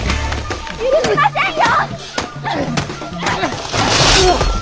許しませんよ！